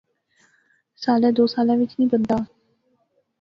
سالا دو سالیں وچ نی بنتا